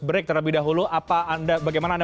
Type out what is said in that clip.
break terlebih dahulu bagaimana anda